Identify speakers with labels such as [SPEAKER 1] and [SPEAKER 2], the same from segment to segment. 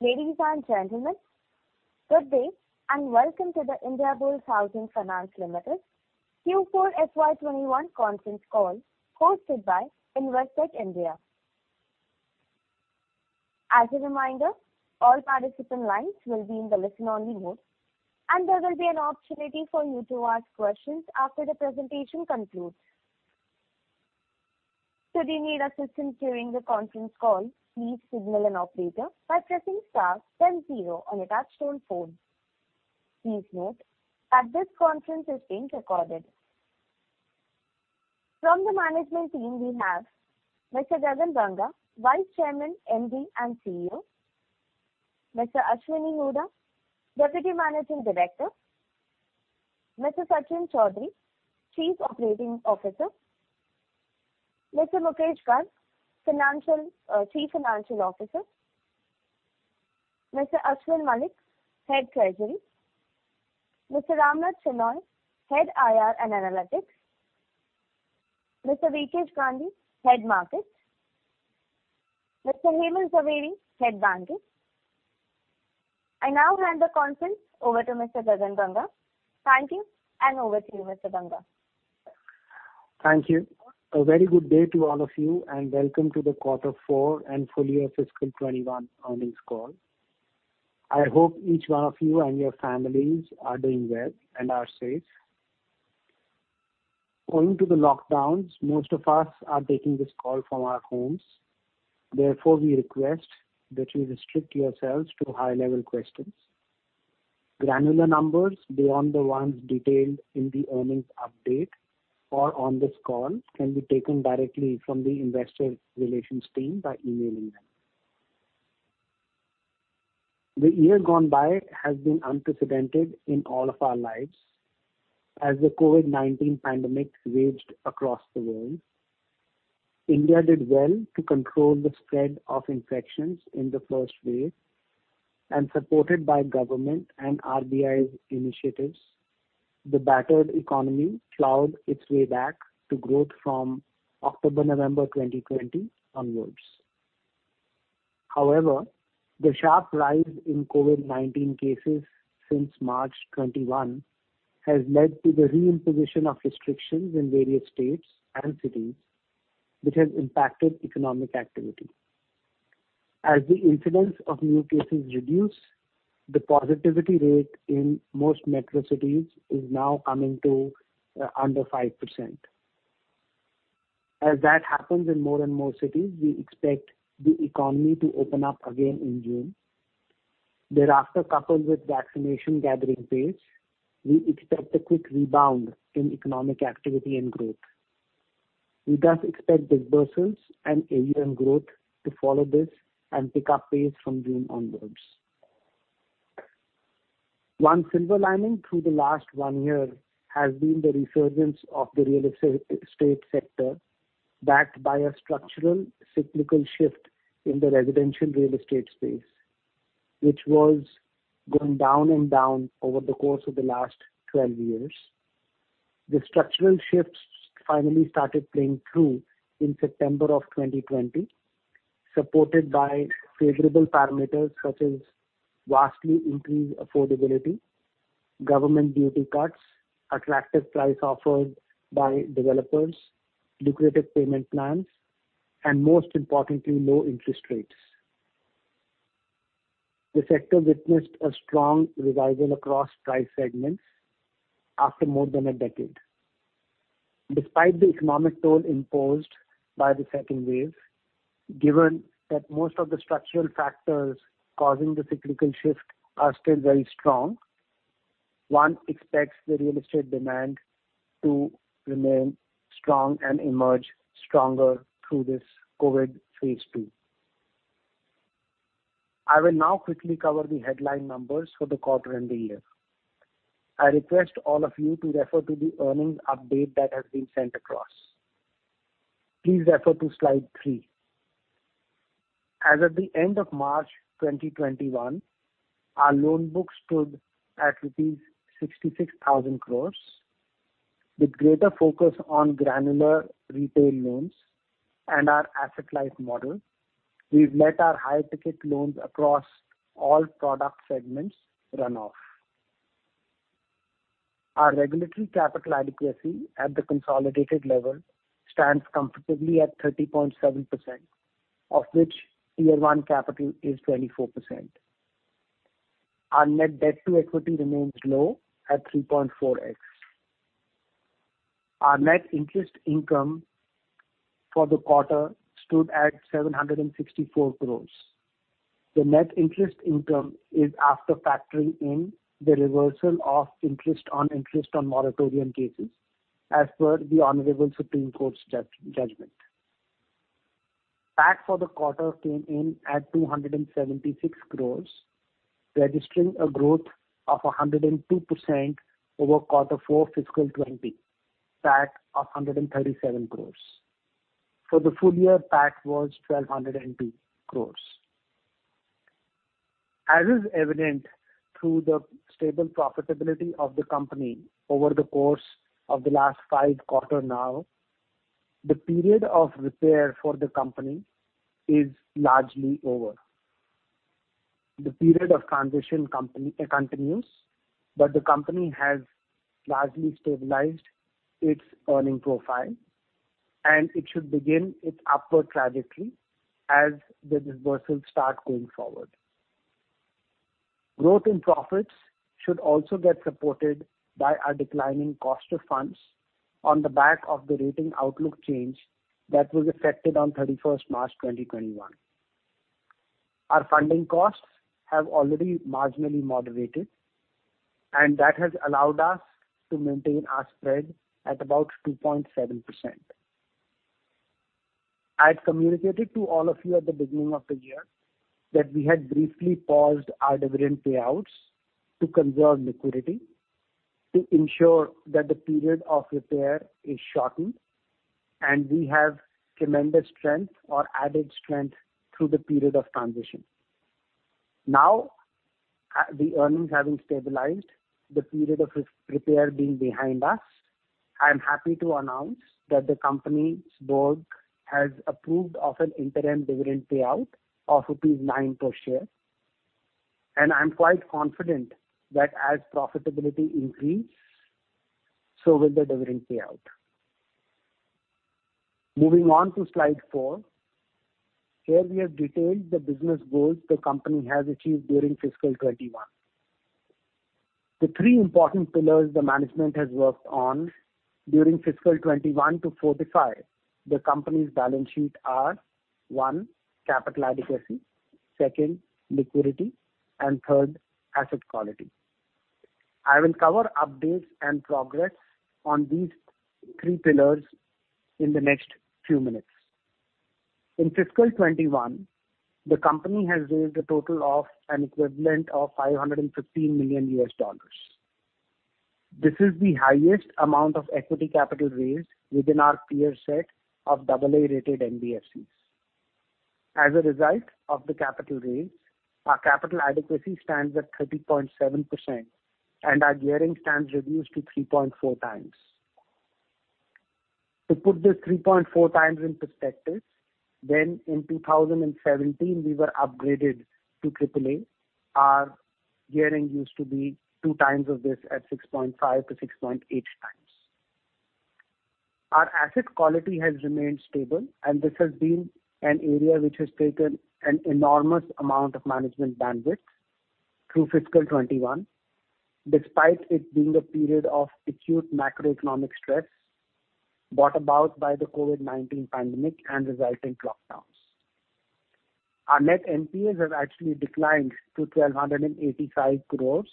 [SPEAKER 1] Ladies and gentlemen, good day, and welcome to the Indiabulls Housing Finance Limited Q4 FY 2021 Conference Call hosted by Investec India. As a reminder, all participant lines will be in the listen-only mode, and there will be an opportunity for you to ask questions after the presentation concludes. Should you need assistance during the conference call, please signal an operator by pressing star then zero on your touch-tone phone. Please note that this conference is being recorded. From the management team, we have Mr. Gagan Banga, Vice Chairman, MD, and CEO; Mr. Ashwini Hooda, Deputy Managing Director; Mr. Sachin Chaudhary, Chief Operating Officer; Mr. Mukesh Garg, Chief Financial Officer; Mr. Ashwin Mallick, Head, Treasury; Mr. Ramnath Shenoy, Head, IR and Analytics; Mr. Veekesh Gandhi, Head Markets; Mr. Hemal Zaveri, Head, Banking. I now hand the conference over to Mr. Gagan Banga. Thank you, and over to you, Mr. Banga.
[SPEAKER 2] Thank you. A very good day to all of you, welcome to the quarter four and full year fiscal 2021 earnings call. I hope each one of you and your families are doing well and are safe. Owing to the lockdowns, most of us are taking this call from our homes. Therefore, we request that you restrict yourselves to high-level questions. Granular numbers beyond the ones detailed in the earnings update or on this call can be taken directly from the investor relations team by emailing them. The year gone by has been unprecedented in all of our lives. As the COVID-19 pandemic raged across the world, India did well to control the spread of infections in the first wave and supported by government and RBI initiatives, the battered economy plowed its way back to growth from October, November 2020 onwards. However, the sharp rise in COVID-19 cases since March 2021 has led to the re-imposition of restrictions in various states and cities, which has impacted economic activity. As the incidence of new cases reduce, the positivity rate in most metro cities is now coming to under 5%. As that happens in more and more cities, we expect the economy to open up again in June. Thereafter, coupled with vaccination gathering pace, we expect a quick rebound in economic activity and growth. We thus expect disbursements and AUM growth to follow this and pick up pace from June onwards. One silver lining through the last one year has been the resurgence of the real estate sector, backed by a structural cyclical shift in the residential real estate space which was going down and down over the course of the last 12 years. The structural shifts finally started playing through in September of 2020, supported by favorable parameters such as vastly increased affordability, government duty cuts, attractive prices offered by developers, lucrative payment plans, and most importantly, low interest rates. The sector witnessed a strong revival across price segments after more than a decade. Despite the economic toll imposed by the second wave, given that most of the structural factors causing the cyclical shift are still very strong, one expects the real estate demand to remain strong and emerge stronger through this COVID Phase II. I will now quickly cover the headline numbers for the quarter and the year. I request all of you to refer to the earnings update that has been sent across. Please refer to slide three. As at the end of March 2021, our loan book stood at rupees 66,000 crores. With greater focus on granular retail loans and our asset-light model, we've let our high ticket loans across all product segments run off. Our regulatory capital adequacy at the consolidated level stands comfortably at 30.7%, of which Tier I capital is 24%. Our net debt to equity remains low at 3.4x. Our net interest income for the quarter stood at 764 crore. The net interest income is after factoring in the reversal of interest on interest on moratorium cases as per the honorable Supreme Court's judgment. PAT for the quarter came in at 276 crore, registering a growth of 102% over quarter four fiscal 2020 PAT of 137 crore. For the full year, PAT was 1,202 crore. As is evident through the stable profitability of the company over the course of the last five quarter now, the period of repair for the company is largely over. The period of transition continues, but the company has largely stabilized its earning profile, and it should begin its upward trajectory as the disbursements start going forward. Growth in profits should also get supported by our declining cost of funds on the back of the rating outlook change that was effective on March 31, 2021. Our funding costs have already marginally moderated, and that has allowed us to maintain our spread at about 2.7%. I had communicated to all of you at the beginning of the year that we had briefly paused our dividend payouts to conserve liquidity to ensure that the period of repair is shortened, and we have tremendous strength or added strength through the period of transition. Now, the earnings having stabilized, the period of repair being behind us, I'm happy to announce that the company's board has approved of an interim dividend payout of rupees 9 per share, and I'm quite confident that as profitability increase, so will the dividend payout. Moving on to slide four. Here we have detailed the business goals the company has achieved during fiscal 2021. The three important pillars the management has worked on during fiscal 2021 to fortify the company's balance sheet are, one, capital adequacy, second, liquidity, and third, asset quality. I will cover updates and progress on these three pillars in the next few minutes. In fiscal 2021, the company has raised a total of an equivalent of $515 million. This is the highest amount of equity capital raised within our peer set of AA-rated NBFCs. As a result of the capital raise, our capital adequacy stands at 30.7%, and our gearing stands reduced to 3.4x. To put the 3.4x in perspective, when in 2017 we were upgraded to AAA, our gearing used to be 2x of this at 6.5x-6.8x. Our asset quality has remained stable, and this has been an area which has taken an enormous amount of management bandwidth through fiscal 2021, despite it being a period of acute macroeconomic stress brought about by the COVID-19 pandemic and resulting lockdowns. Our net NPAs have actually declined to 385 crores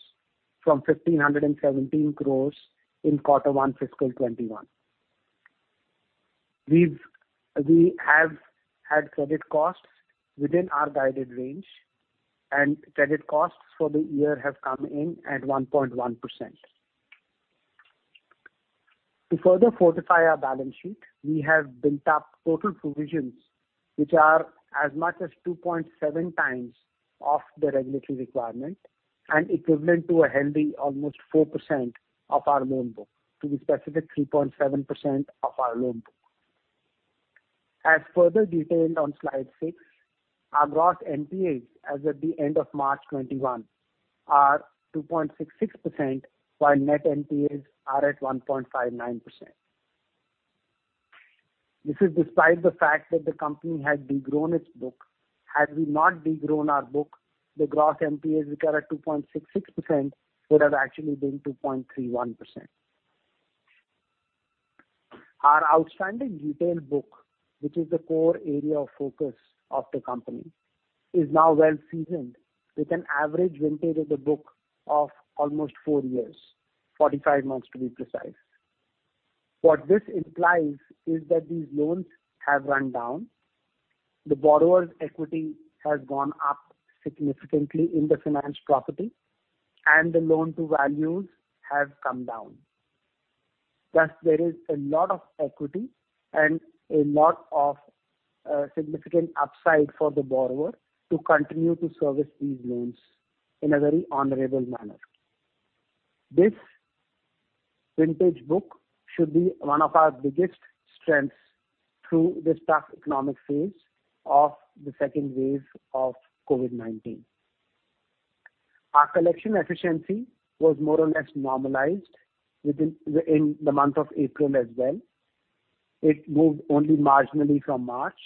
[SPEAKER 2] from 1,517 crores in quarter one fiscal 2021. We have had credit costs within our guided range, and credit costs for the year have come in at 1.1%. To further fortify our balance sheet, we have built up total provisions, which are as much as 2.7x of the regulatory requirement and equivalent to a healthy almost 4% of our loan book. To be specific, 3.7% of our loan book. As further detailed on slide six, our gross NPAs as at the end of March 2021 are 2.66%, while net NPAs are at 1.59%. This is despite the fact that the company had degrown its book. Had we not degrown our book, the gross NPAs which are at 2.66% would have actually been 2.31%. Our outstanding retail book, which is the core area of focus of the company, is now well seasoned, with an average vintage of the book of almost four years, 45 months to be precise. What this implies is that these loans have run down, the borrower's equity has gone up significantly in the financed property, and the loan-to-values have come down. There is a lot of equity and a lot of significant upside for the borrower to continue to service these loans in a very honorable manner. This vintage book should be one of our biggest strengths through this tough economic phase of the second wave of COVID-19. Our collection efficiency was more or less normalized in the month of April as well. It moved only marginally from March.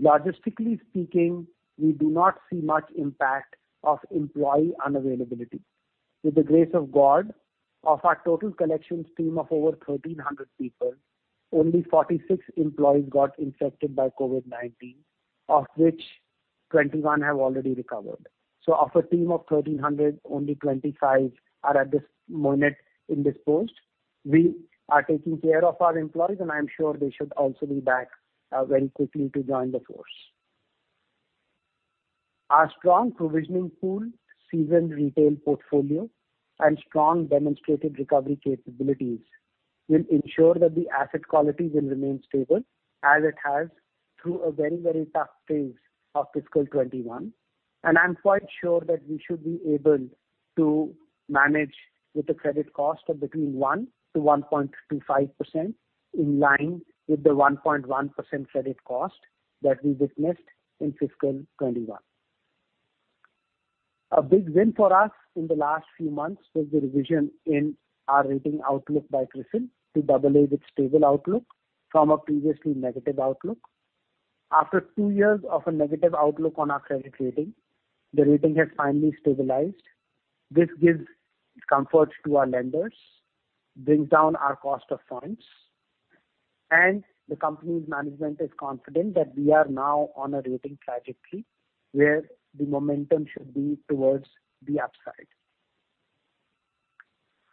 [SPEAKER 2] Logistically speaking, we do not see much impact of employee unavailability. With the grace of God, of our total collection team of over 1,300 people, only 46 employees got infected by COVID-19, of which 21 have already recovered. Of a team of 1,300, only 25 are at this moment indisposed. We are taking care of our employees, and I'm sure they should also be back very quickly to join the force. Our strong provisioning pool, seasoned retail portfolio, and strong demonstrated recovery capabilities will ensure that the asset quality will remain stable as it has through a very, very tough phase of fiscal 2021, and I'm quite sure that we should be able to manage with a credit cost of between 1%-1.25%, in line with the 1.1% credit cost that we witnessed in fiscal 2021. A big win for us in the last few months was the revision in our rating outlook by CRISIL to AA with stable outlook from a previously negative outlook. After two years of a negative outlook on our credit rating, the rating has finally stabilized. This gives comfort to our lenders, brings down our cost of funds, and the company's management is confident that we are now on a rating trajectory where the momentum should be towards the upside.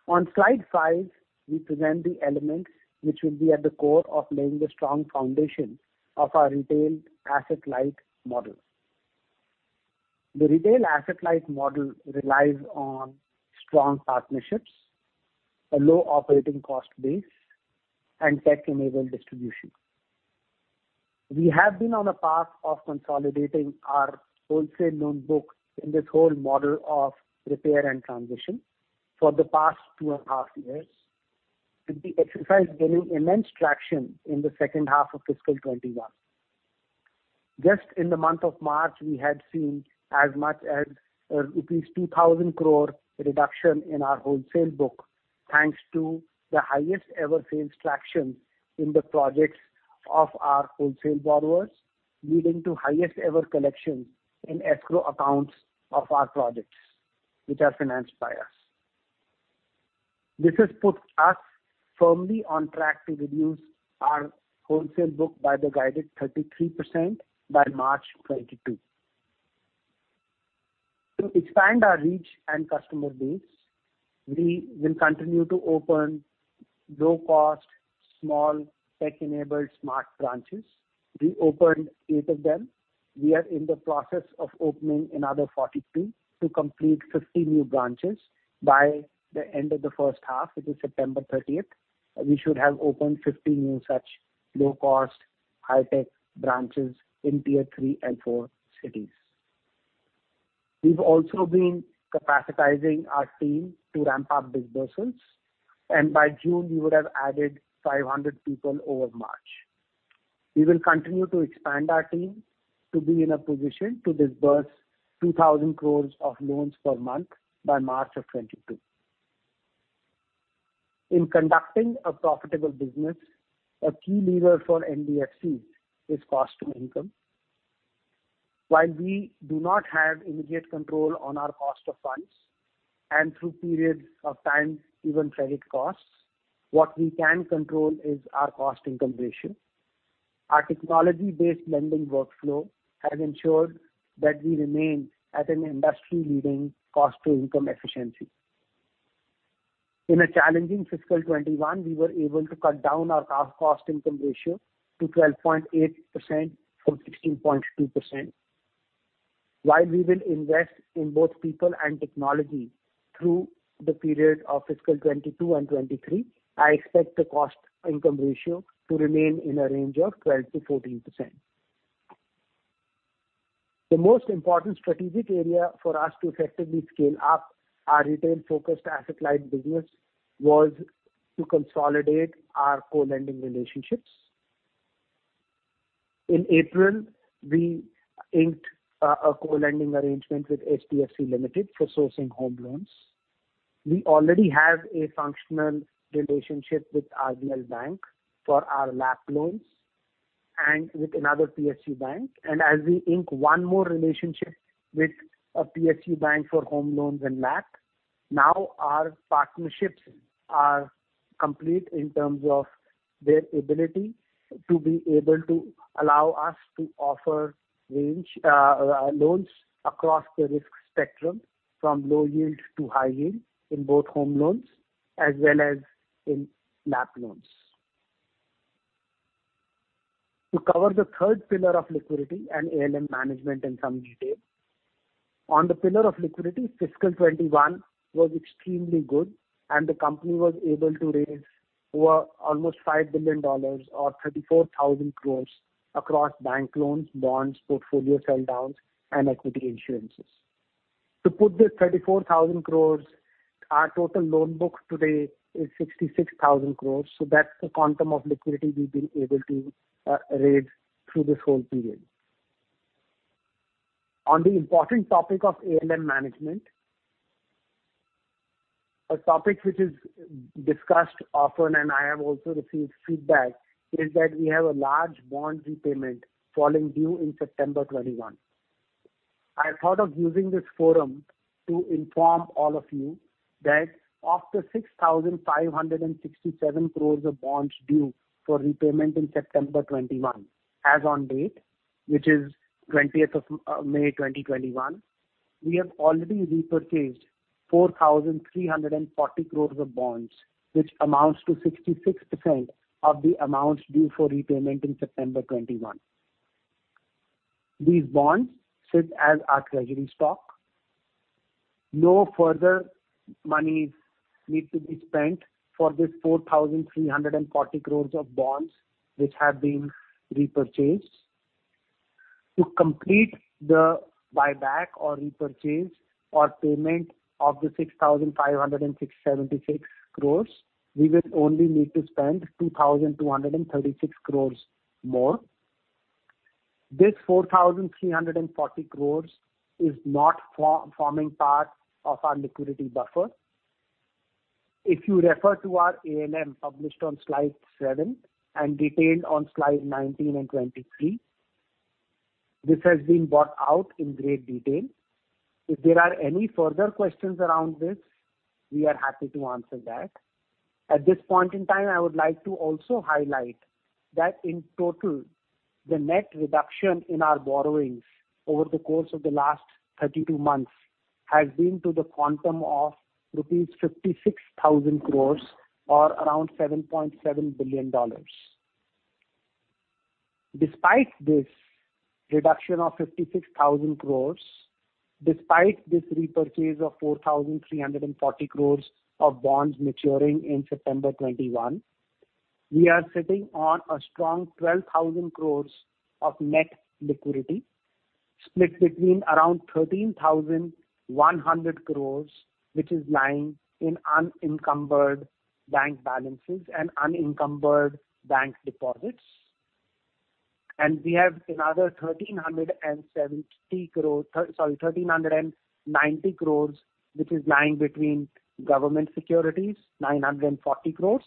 [SPEAKER 2] On slide five, we present the elements which will be at the core of laying the strong foundation of our retail asset-light model. The retail asset-light model relies on strong partnerships, a low operating cost base, and tech-enabled distribution. We have been on a path of consolidating our wholesale loan book in this whole model of repair and transition for the past two and a half years. It exercised very immense traction in the second half of fiscal 2021. Just in the month of March, we had seen as much as rupees 2,000 crore reduction in our wholesale book, thanks to the highest ever sales traction in the projects of our wholesale borrowers, leading to highest ever collections in escrow accounts of our projects which are financed by us. This has put us firmly on track to reduce our wholesale book by the guided 33% by March 2022. To expand our reach and customer base, we will continue to open low-cost, small tech-enabled smart branches. We opened eight of them. We are in the process of opening another 42 to complete 50 new branches. By the end of the first half, which is September 30th, we should have opened 50 new such low-cost, high-tech branches in Tier III and 4 cities. We've also been capacitizing our team to ramp up disbursements, and by June we would have added 500 people over March. We will continue to expand our team to be in a position to disburse 2,000 crores of loans per month by March of 2022. In conducting a profitable business, a key lever for NBFC is cost-to-income. While we do not have immediate control on our cost of funds, and through periods of time, even credit costs, what we can control is our cost-to-income ratio. Our technology-based lending workflow has ensured that we remain at an industry-leading cost-to-income efficiency. In a challenging fiscal 2021, we were able to cut down our cost-to-income ratio to 12.8% from 16.2%. While we will invest in both people and technology through the period of fiscal 2022 and 2023, I expect the cost-to-income ratio to remain in a range of 12%-14%. The most important strategic area for us to effectively scale up our retail-focused asset-light business was to consolidate our co-lending relationships. In April, we inked a co-lending arrangement with HDFC Limited for sourcing home loans. We already have a functional relationship with Indian Bank for our LAP loans and with another PSU bank. As we ink one more relationship with a PSU bank for home loans and LAP, now our partnerships are complete in terms of their ability to be able to allow us to offer loans across the risk spectrum from low yield to high yield in both home loans as well as in LAP loans. To cover the third pillar of liquidity and ALM management in some detail. On the pillar of liquidity, fiscal 2021 was extremely good, and the company was able to raise over almost $5 billion or 34,000 crores across bank loans, bonds, portfolio sell downs, and equity issuances. To put these 34,000 crores, our total loan book today is 66,000 crores, so that's the quantum of liquidity we've been able to raise through this whole period. On the important topic of ALM management, a topic which is discussed often and I have also received feedback, is that we have a large bond repayment falling due in September 2021. I thought of using this forum to inform all of you that after 6,567 crores of bonds due for repayment in September 2021, as on date, which is 20th of May 2021, we have already repurchased 4,340 crores of bonds, which amounts to 66% of the amounts due for repayment in September 2021. These bonds sit as our treasury stock. No further monies need to be spent for these 4,340 crores of bonds which have been repurchased. To complete the buyback or repurchase or payment of the 6,576 crores, we will only need to spend 2,236 crores more. This 4,340 crore is not forming part of our liquidity buffer. If you refer to our ALM published on slide seven and detailed on slide 19 and 23, this has been brought out in great detail. If there are any further questions around this, we are happy to answer that. At this point in time, I would like to also highlight that in total, the net reduction in our borrowings over the course of the last 32 months has been to the quantum of rupees 56,000 crores or around $7.7 billion. Despite this reduction of 56,000 crores, despite this repurchase of 4,340 crores of bonds maturing in September 2021, we are sitting on a strong 12,000 crores of net liquidity split between around 13,100 crores, which is lying in unencumbered bank balances and unencumbered bank deposits. We have another 1,390 crores, which is lying between government securities 940 crores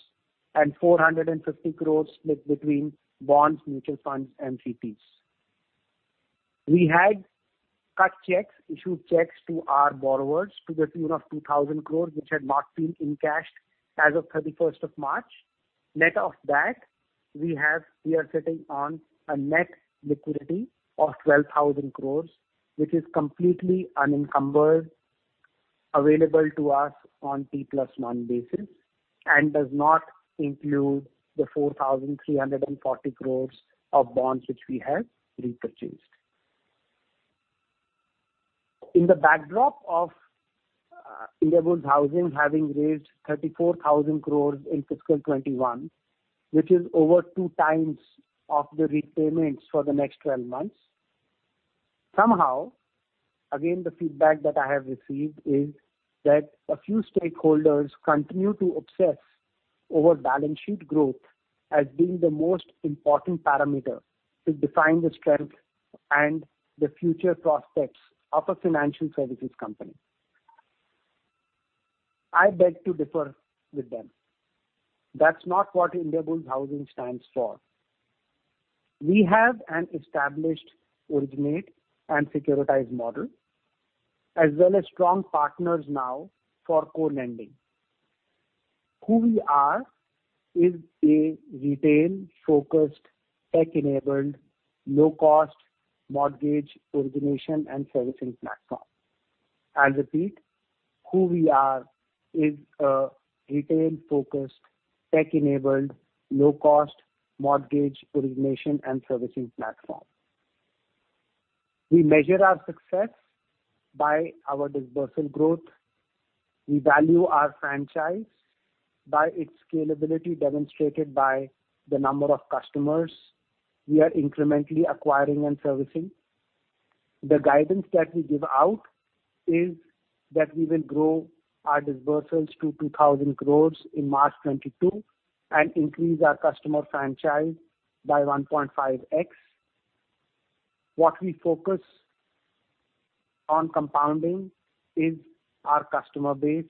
[SPEAKER 2] and 450 crores split between bonds, mutual funds, and CPs. We had cut checks, issued checks to our borrowers to the tune of 2,000 crores, which had not been encashed as of 31st of March. Net of that, we are sitting on a net liquidity of 12,000 crores, which is completely unencumbered, available to us on T+1 basis, and does not include the 4,340 crores of bonds which we have repurchased, in the backdrop of Indiabulls Housing having raised 34,000 crores in fiscal 2021, which is over 2x of the repayments for the next 12 months. Somehow, again, the feedback that I have received is that a few stakeholders continue to obsess over balance sheet growth as being the most important parameter to define the strength and the future prospects of a financial services company. I beg to differ with them. That's not what Indiabulls Housing stands for. We have an established originate and securitize model as well as strong partners now for co-lending. Who we are is a retail-focused, tech-enabled, low-cost mortgage origination and servicing platform. I repeat, who we are is a retail-focused, tech-enabled, low-cost mortgage origination and servicing platform. We measure our success by our dispersal growth. We value our franchise by its scalability, demonstrated by the number of customers we are incrementally acquiring and servicing. The guidance that we give out is that we will grow our disbursals to 2,000 crore in March 2022 and increase our customer franchise by 1.5x. What we focus on compounding is our customer base,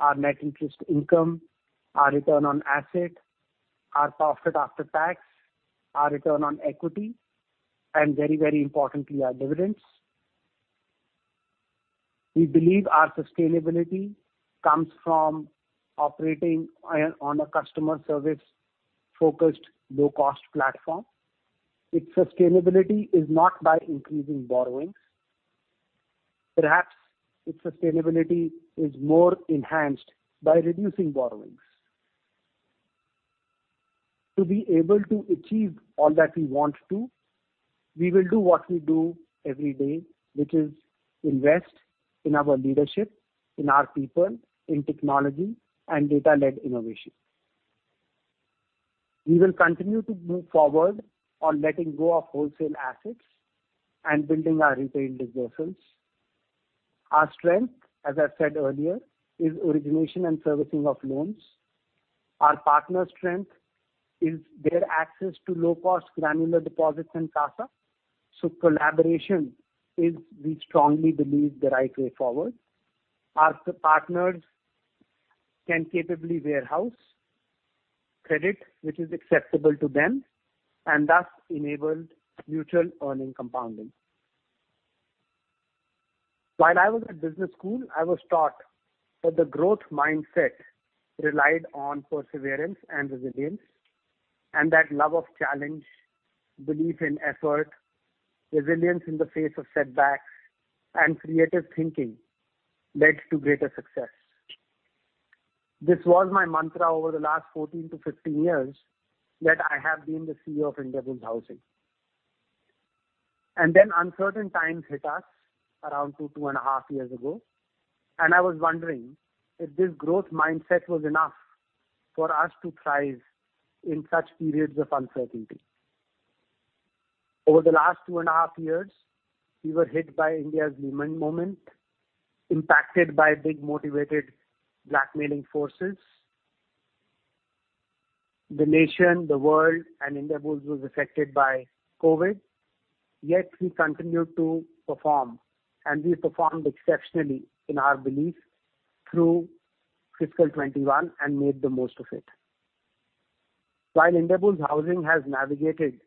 [SPEAKER 2] our net interest income, our return on asset, our profit after tax, our return on equity, and very importantly, our dividends. We believe our sustainability comes from operating on a customer service-focused, low-cost platform. Its sustainability is not by increasing borrowings. Perhaps its sustainability is more enhanced by reducing borrowings. To be able to achieve all that we want to, we will do what we do every day, which is invest in our leadership, in our people, in technology, and data-led innovation. We will continue to move forward on letting go of wholesale assets and building our retail disbursals. Our strength, as I said earlier, is origination and servicing of loans. Our partner strength is their access to low-cost granular deposits and CASA. Collaboration is, we strongly believe, the right way forward as the partners can capably warehouse credit which is acceptable to them and thus enable mutual earning compounding. While I was at business school, I was taught that the growth mindset relied on perseverance and resilience, and that love of challenge, belief in effort, resilience in the face of setbacks, and creative thinking led to greater success. This was my mantra over the last 14-15 years that I have been the CEO of Indiabulls Housing. Uncertain times hit us around 2.5 years ago, and I was wondering if this growth mindset was enough for us to thrive in such periods of uncertainty. Over the last 2.5 years, we were hit by India's Lehman moment, impacted by big motivated blackmailing forces. The nation, the world, and Indiabulls was affected by COVID. Yet we continued to perform, and we performed exceptionally, in our belief, through fiscal 2021 and made the most of it. While Sammaan Capital has navigated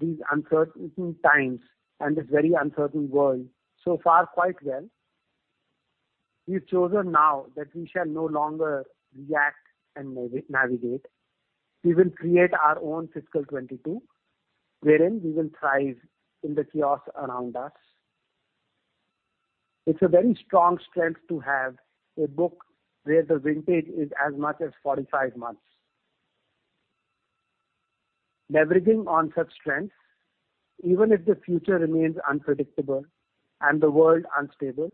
[SPEAKER 2] these uncertain times and this very uncertain world so far quite well, we've chosen now that we shall no longer react and navigate. We will create our own fiscal 2022, wherein we will thrive in the chaos around us. It's a very strong strength to have a book where the vintage is as much as 45 months. Leveraging on such strengths, even if the future remains unpredictable and the world unstable,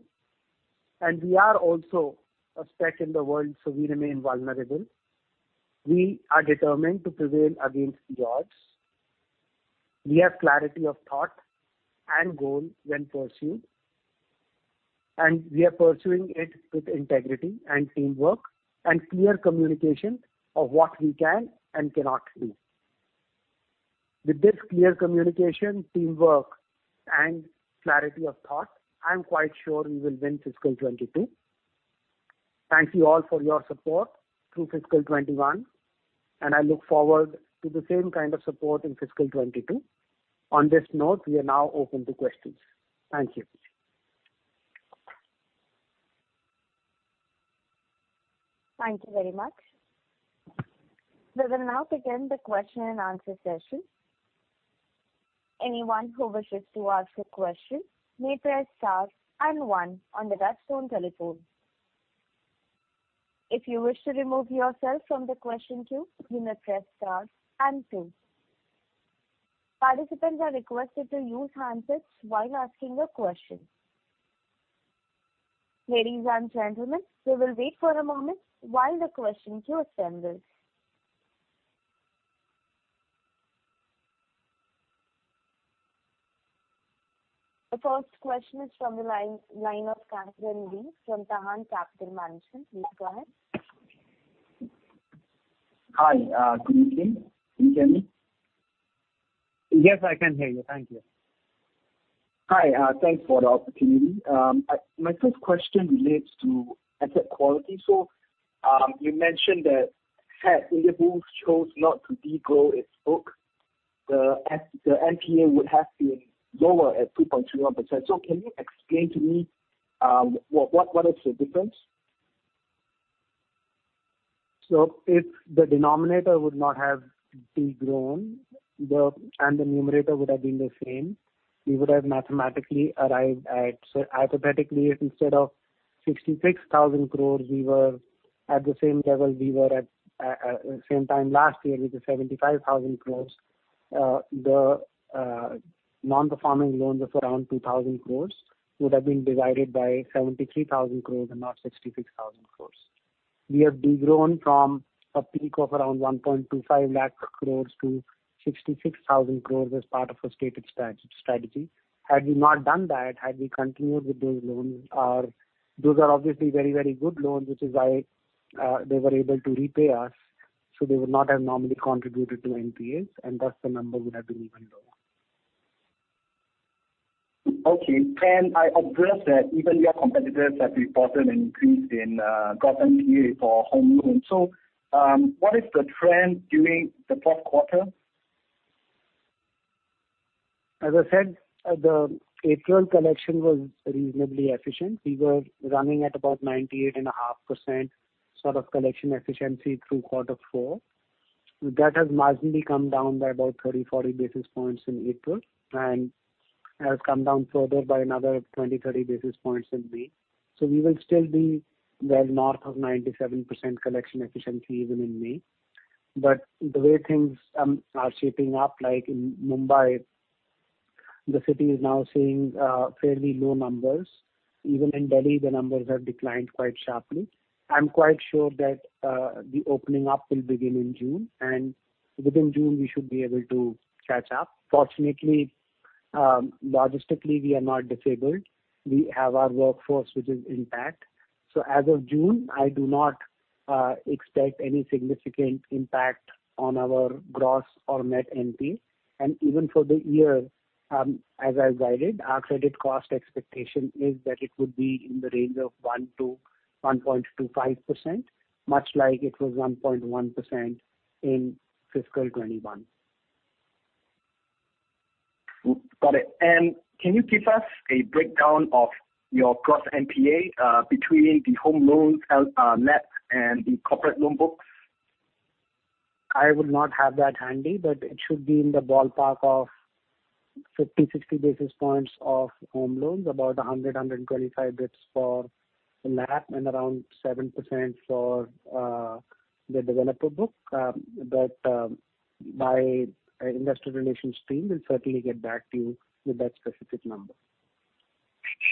[SPEAKER 2] and we are also a spec in the world, so we remain vulnerable. We are determined to prevail against the odds. We have clarity of thought and goal when pursued, and we are pursuing it with integrity and teamwork and clear communication of what we can and cannot do. With this clear communication, teamwork, and clarity of thought, I am quite sure we will win fiscal 2022. Thank you all for your support through fiscal 2021. I look forward to the same kind of support in fiscal 2022. On this note, we are now open to questions. Thank you.
[SPEAKER 1] Thank you very much. We will now begin the question-and-answer session.
[SPEAKER 3] Hi. Good evening. Can you hear me?
[SPEAKER 2] Yes, I can hear you. Thank you.
[SPEAKER 3] Hi. Thanks for the opportunity. My first question relates to asset quality. You mentioned that had Indiabulls chose not to de-grow its book, the NPA would have been lower at 2.31%. Can you explain to me what is the difference?
[SPEAKER 2] If the denominator would not have de-grown, and the numerator would have been the same, we would have mathematically arrived at. Hypothetically, if instead of 66,000 crores we were at the same level we were at same time last year, which is 75,000 crores, the non-performing loans of around 2,000 crores would have been divided by 73,000 crores and not 66,000 crores. We have de-grown from a peak of around 125,000 crores to 66,000 crores as part of a stated strategy. Had we not done that, had we continued with those loans, those are obviously very good loans, which is why they were able to repay us, so they would not have normally contributed to NPAs, and thus the number would have been even lower.
[SPEAKER 3] Okay. I observed that even your competitors have reported an increase in gross NPA for home loans. What is the trend during the fourth quarter?
[SPEAKER 2] As I said, the April collection was reasonably efficient. We were running at about 98.5% sort of collection efficiency through quarter four. That has marginally come down by about 30, 40 basis points in April and has come down further by another 20, 30 basis points in May. We will still be well north of 97% collection efficiency even in May. The way things are shaping up, like in Mumbai, the city is now seeing fairly low numbers. Even in Delhi, the numbers have declined quite sharply. I'm quite sure that the opening up will begin in June, and within June we should be able to catch up. Fortunately, logistically, we are not disabled. We have our workforce, which is intact. As of June, I do not expect any significant impact on our gross or net NPA. Even for the year, as I've guided, our credit cost expectation is that it would be in the range of 1%-1.25%, much like it was 1.1% in fiscal 2021.
[SPEAKER 3] Got it. Can you give us a breakdown of your gross NPA, between the home loans net and the corporate loan book?
[SPEAKER 2] I would not have that handy, but it should be in the ballpark of 50, 60 basis points of home loans, about 100, 125 basis points for the LAP and around 7% for the developer book. My investor relations team will certainly get back to you with that specific number.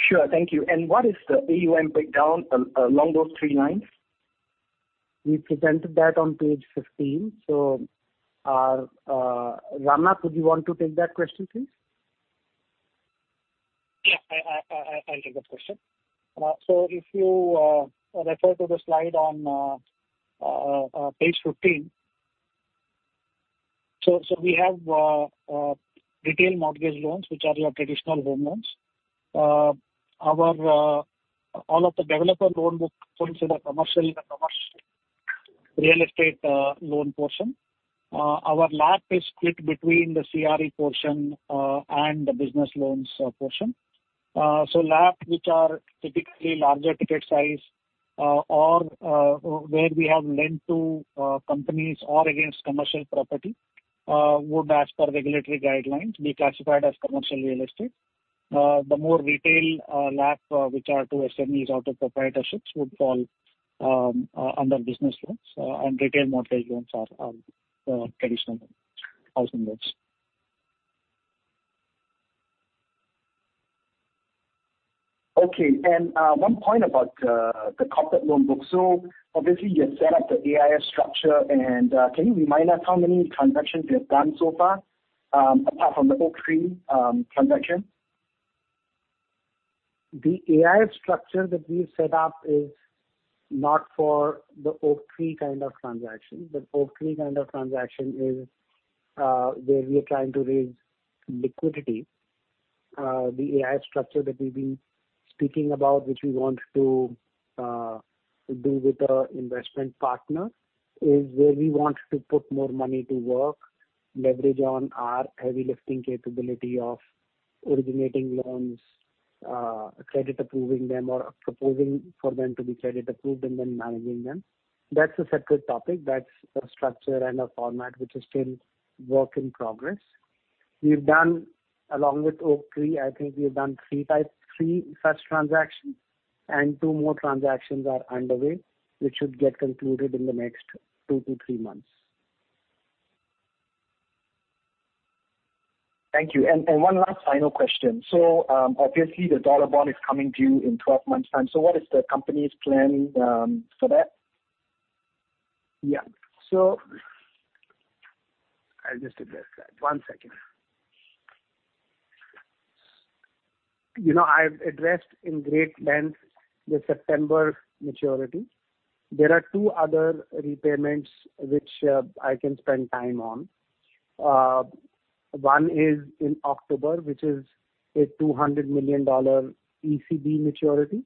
[SPEAKER 3] Sure. Thank you. What is the AUM breakdown along those three lines?
[SPEAKER 2] We presented that on page 15. Ramnath, would you want to take that question, please?
[SPEAKER 4] Yeah, I can take the question. If you refer to the slide on page 15. We have retail mortgage loans, which are your traditional home loans. All of the developer loan book falls into the commercial real estate loan portion. Our LAP is split between the CRE portion and the business loans portion. LAP, which are typically larger ticket size or where we have lent to companies or against commercial property would, as per regulatory guidelines, be classified as commercial real estate. The more retail LAP which are to SMEs or to proprietorships would fall under business loans and retail mortgage loans are traditional housing loans.
[SPEAKER 3] Okay. One point about the corporate loan book. Obviously you've set up the AIF structure and can you remind us how many transactions you've done so far apart from the Oaktree transaction?
[SPEAKER 2] The AIF structure that we've set up is not for the Oaktree kind of transaction. The Oaktree kind of transaction is where we are trying to raise liquidity. The AIF structure that we've been speaking about, which we want to do with an investment partner, is where we want to put more money to work, leverage on our heavy lifting capability of originating loans, credit approving them or proposing for them to be credit approved and then managing them. That's a separate topic. That's a structure and a format which is still work in progress. We've done along with Oaktree, I think we've done three such transactions and two more transactions are underway, which should get concluded in the next 2 to 3 months.
[SPEAKER 3] Thank you. One last final question. Obviously the dollar bond is coming due in 12 months time. What is the company's plan for that?
[SPEAKER 2] Yeah. I'll just address that. One second. I've addressed in great length the September maturity. There are two other repayments which I can spend time on. One is in October, which is a $200 million ECB maturity,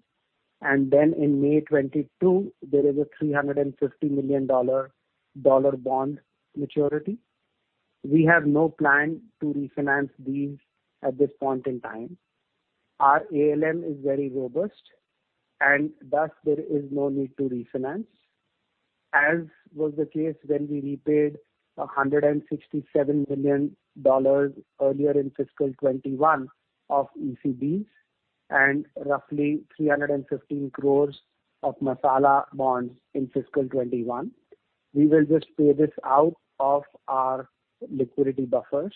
[SPEAKER 2] and then in May 2022, there is a $350 million dollar bond maturity. We have no plan to refinance these at this point in time. Our ALM is very robust and thus there is no need to refinance. As was the case when we repaid $167 million earlier in fiscal 2021 of ECBs and roughly 315 crores of masala bonds in fiscal 2021. We will just pay this out of our liquidity buffers.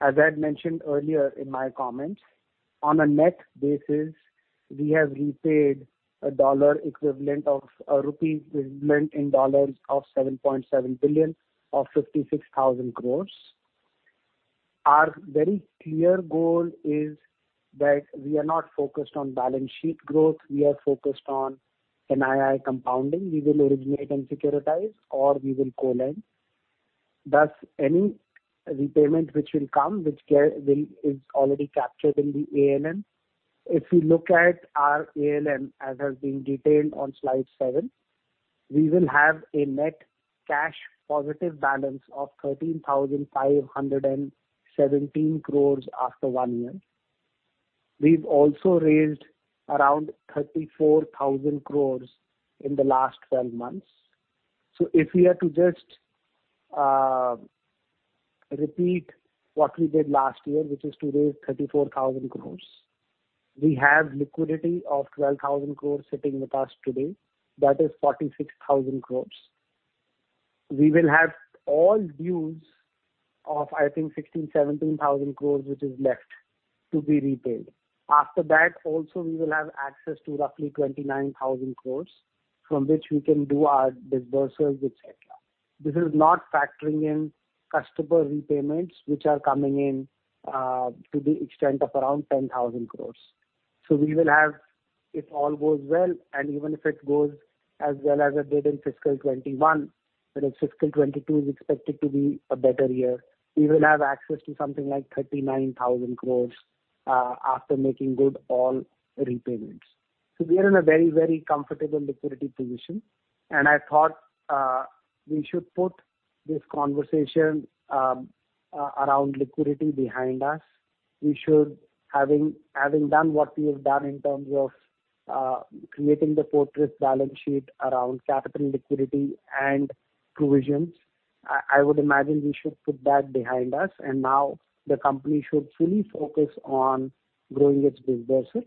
[SPEAKER 2] As I had mentioned earlier in my comments, on a net basis, we have repaid a rupee equivalent in dollars of $7.7 billion or 56,000 crores. Our very clear goal is that we are not focused on balance sheet growth. We are focused on NII compounding. We will originate and securitize or we will co-lend. Thus, any repayment which will come which is already captured in the ALM. If you look at our ALM as has been detailed on slide seven, we will have a net cash positive balance of 13,517 crore after 1 year. We've also raised around 34,000 crore in the last 12 months. If we had to just repeat what we did last year, which is today 34,000 crore, we have liquidity of 12,000 crore sitting with us today. That is 46,000 crore. We will have all dues of I think 16,000-17,000 crore which is left to be repaid. After that also we will have access to roughly 29,000 crore from which we can do our disbursements, et cetera. This is not factoring in customer repayments which are coming in to the extent of around 10,000 crore. We will have, if all goes well, and even if it goes as well as it did in fiscal 2021, whereas fiscal 2022 is expected to be a better year, we will have access to something like 39,000 crore after making good all repayments. We are in a very, very comfortable liquidity position and I thought we should put this conversation around liquidity behind us. We should, having done what we have done in terms of creating the fortress balance sheet around capital liquidity and provisions. I would imagine we should put that behind us, and now the company should fully focus on growing its businesses,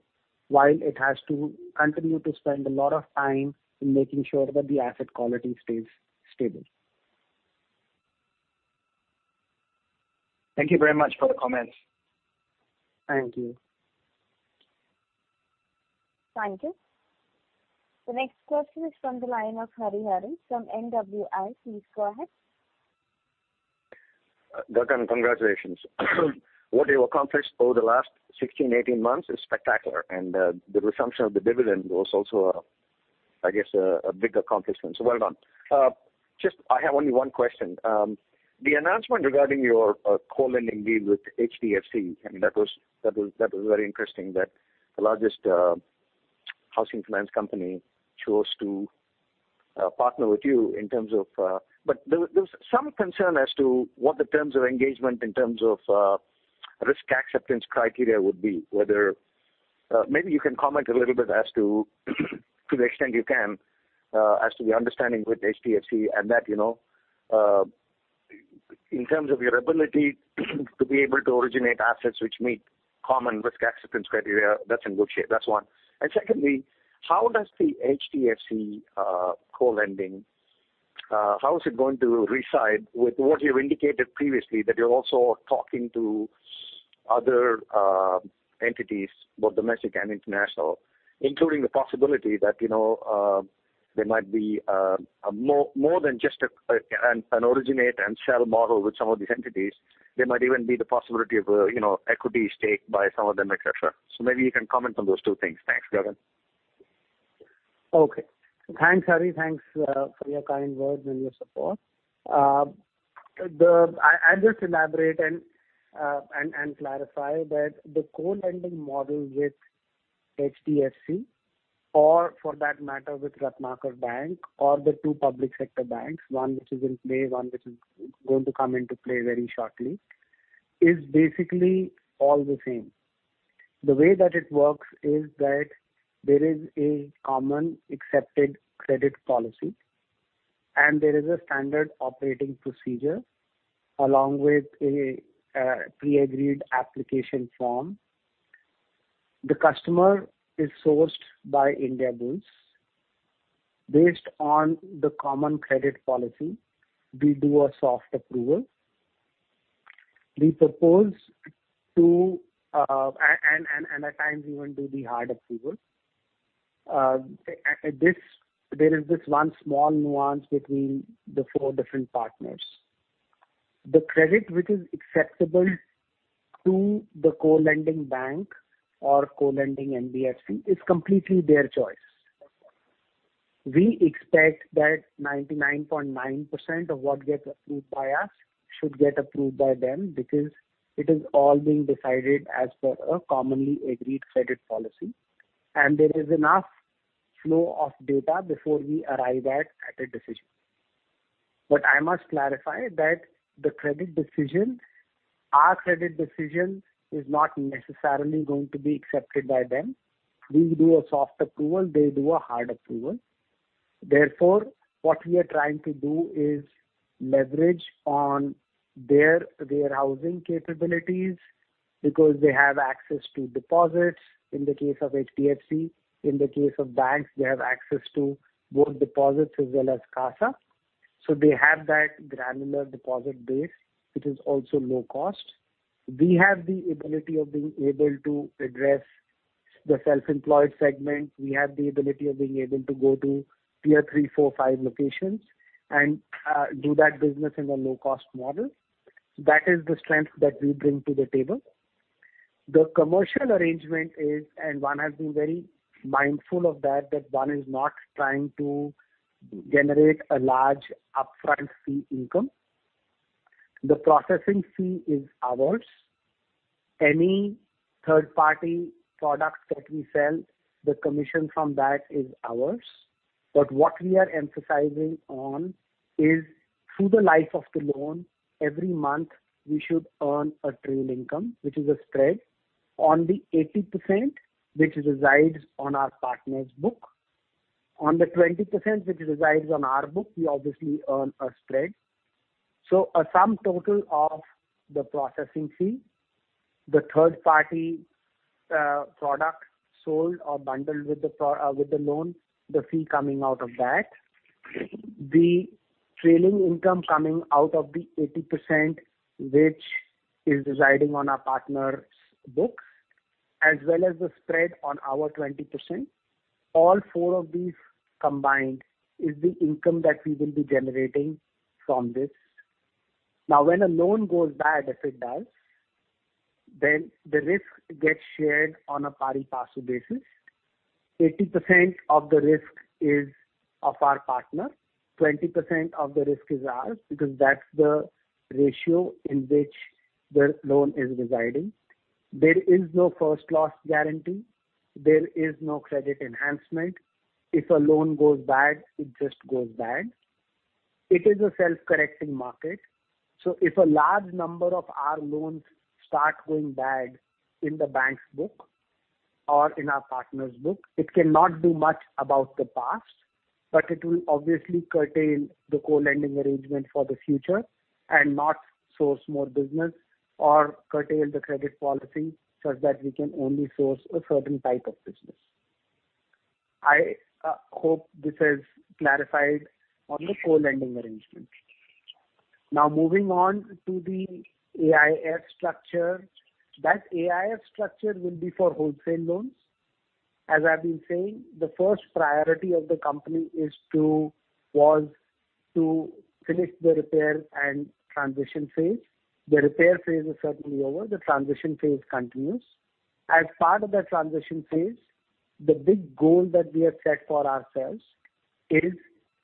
[SPEAKER 2] while it has to continue to spend a lot of time in making sure that the asset quality stays stable.
[SPEAKER 3] Thank you very much for the comments.
[SPEAKER 2] Thank you.
[SPEAKER 1] Thank you. The next question is from the line of Hariharan from NWI. Please go ahead.
[SPEAKER 5] Gagan Banga, congratulations. What you've accomplished over the last 16, 18 months is spectacular, and the resumption of the dividend was also, I guess, a big accomplishment. Well done. I have only one question. The announcement regarding your co-lending deal with HDFC, I mean, that was very interesting that the largest housing finance company chose to partner with you in terms of. There's some concern as to what the terms of engagement in terms of risk acceptance criteria would be. Maybe you can comment a little bit as to the extent you can, as to the understanding with HDFC and that. In terms of your ability to be able to originate assets which meet common risk acceptance criteria that's in good shape. That's one. Secondly, how does the HDFC co-lending, how is it going to reside with what you've indicated previously, that you're also talking to other entities, both domestic and international, including the possibility that there might be more than just an originate and securitize model with some of these entities. There might even be the possibility of equity stake by some of them, et cetera. Maybe you can comment on those two things. Thanks, Banga.
[SPEAKER 2] Okay. Thanks, Hari. Thanks for your kind words and your support. I'll just elaborate and clarify that the co-lending model with HDFC or for that matter with Ratnakar Bank or the two public sector banks, one which is in play, one which is going to come into play very shortly, is basically all the same. The way that it works is that there is a common accepted credit policy, and there is a standard operating procedure along with a pre-agreed application form. The customer is sourced by Indiabulls. Based on the common credit policy, we do a soft approval. We propose to, and at times even do the hard approval. There is this one small nuance between the four different partners. The credit which is acceptable to the co-lending bank or co-lending NBFC is completely their choice. We expect that 99.9% of what gets approved by us should get approved by them because it is all being decided as per a commonly agreed credit policy. There is enough flow of data before we arrive at a credit decision. I must clarify that our credit decisions is not necessarily going to be accepted by them. We do a soft approval, they do a hard approval. Therefore, what we are trying to do is leverage on their housing capabilities because they have access to deposits in the case of HDFC. In the case of banks, they have access to both deposits as well as CASA. They have that granular deposit base, which is also low cost. We have the ability of being able to address the self-employed segment. We have the ability of being able to go to tier 3, 4, 5 locations and do that business in a low-cost model. That is the strength that we bring to the table. The commercial arrangement is, and one has been very mindful of that one is not trying to generate a large upfront fee income. The processing fee is ours. Any third-party products that we sell, the commission from that is ours. What we are emphasizing on is through the life of the loan, every month, we should earn a trailing income, which is a spread on the 80% which resides on our partner's book. On the 20% which resides on our book, we obviously earn a spread. A sum total of the processing fee, the third party product sold or bundled with the loan, the fee coming out of that, the trailing income coming out of the 80% which is residing on our partner's books, as well as the spread on our 20%, all four of these combined is the income that we will be generating from this. Now, when a loan goes bad, if it does, then the risk gets shared on a pari-passu basis. 80% of the risk is of our partner, 20% of the risk is ours because that's the ratio in which the loan is residing. There is no first loss guarantee. There is no credit enhancement. If a loan goes bad, it just goes bad. It is a self-correcting market. If a large number of our loans start going bad in the bank's book or in our partner's book, it cannot do much about the past, but it will obviously curtail the co-lending arrangement for the future and not source more business or curtail the credit policy such that we can only source a certain type of business. I hope this has clarified on the co-lending arrangement. Moving on to the AIF structure. That AIF structure will be for wholesale loans. As I've been saying, the first priority of the company was to finish the repair and transition phase. The repair phase is certainly over. The transition phase continues. As part of that transition phase, the big goal that we have set for ourselves is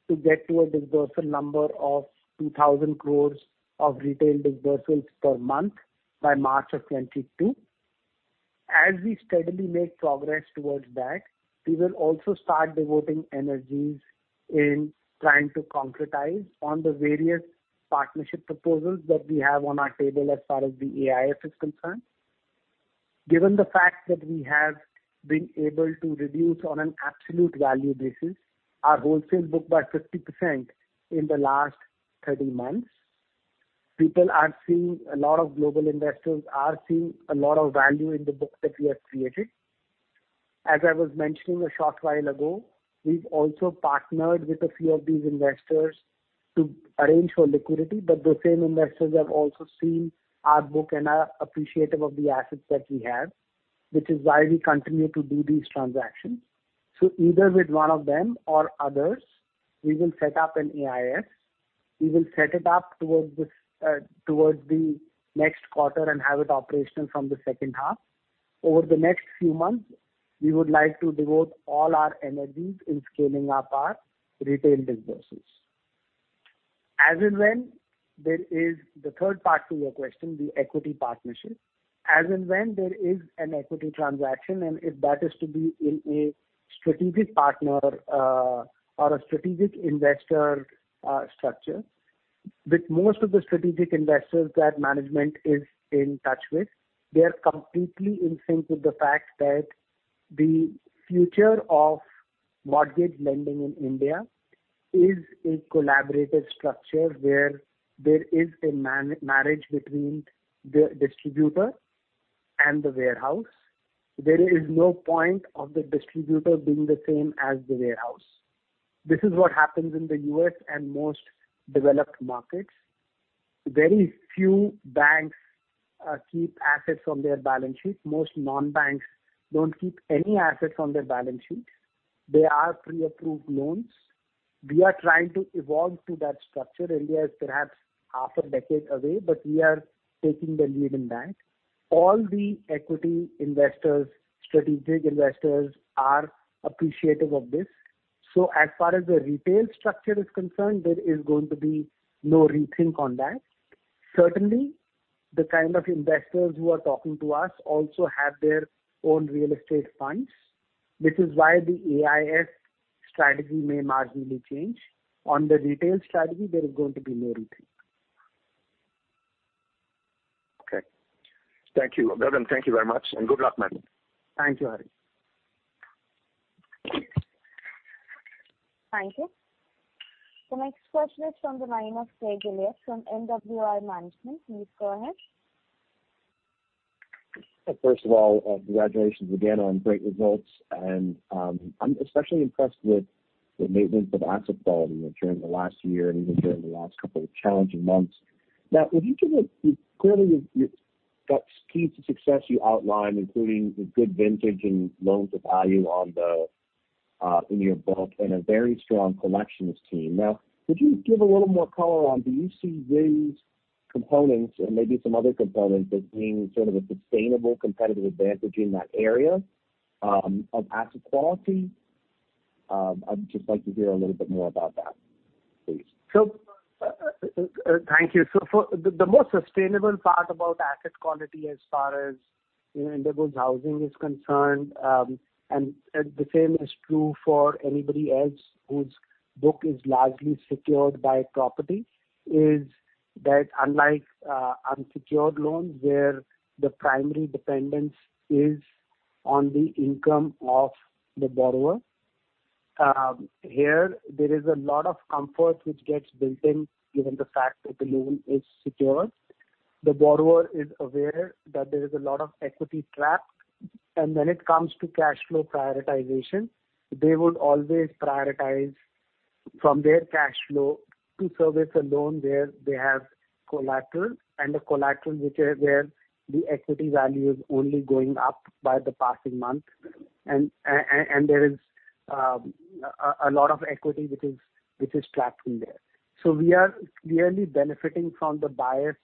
[SPEAKER 2] to get to a dispersal number of 2,000 crore of retail disbursals per month by March of 2022. As we steadily make progress towards that, we will also start devoting energies in trying to concretize on the various partnership proposals that we have on our table as far as the AIF is concerned. Given the fact that we have been able to reduce on an absolute value basis, our wholesale book by 50% in the last 30 months. A lot of global investors are seeing a lot of value in the book that we have created. As I was mentioning a short while ago, we've also partnered with a few of these investors to arrange for liquidity, but the same investors have also seen our book and are appreciative of the assets that we have, which is why we continue to do these transactions. Either with one of them or others, we will set up an AIF. We will set it up towards the next quarter and have it operational from the second half. Over the next few months, we would like to devote all our energies in scaling up our retail disbursals. As and when there is the third part to your question, the equity partnership. As and when there is an equity transaction, and if that is to be in a strategic partner, or a strategic investor structure. With most of the strategic investors that Management is in touch with, they're completely in sync with the fact that the future of mortgage lending in India is a collaborative structure where there is a marriage between the distributor and the warehouse. There is no point of the distributor being the same as the warehouse. This is what happens in the U.S. and most developed markets. Very few banks keep assets on their balance sheets. Most non-banks don't keep any assets on their balance sheets. They are pre-approved loans. We are trying to evolve to that structure. India is perhaps half a decade away, but we are taking the lead in that. All the equity investors, strategic investors, are appreciative of this. As far as the retail structure is concerned, there is going to be no rethink on that. Certainly, the kind of investors who are talking to us also have their own real estate funds, which is why the AIF strategy may marginally change. On the retail strategy, there is going to be no rethink.
[SPEAKER 5] Okay. Thank you. Thank you very much, and good luck, man.
[SPEAKER 2] Thank you, Hari.
[SPEAKER 1] Thank you. The next question is from the line of Greg Lewis from NWI Management. Please go ahead.
[SPEAKER 6] First of all, congratulations again on great results. I'm especially impressed with the maintenance of asset quality during the last year and even during the last couple of challenging months. According to your steps key to success you outlined, including the good vintage and loans-of-value in your book and a very strong collections team. Could you give a little more color on, do you see these components or maybe some other components as being sort of a sustainable competitive advantage in that area of asset quality? I'd just like to hear a little bit more about that, please.
[SPEAKER 2] Thank you. The most sustainable part about asset quality as far as Indiabulls Housing is concerned, and the same is true for anybody else whose book is largely secured by property, is that unlike unsecured loans where the primary dependence is on the income of the borrower, here there is a lot of comfort which gets built in given the fact that the loan is secured. The borrower is aware that there is a lot of equity trapped, and when it comes to cash flow prioritization, they would always prioritize from their cash flow to service a loan where they have collateral and a collateral which is where the equity value is only going up by the passing month. There is a lot of equity which is trapped in there. We are clearly benefiting from the bias